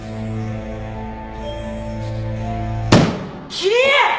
桐江！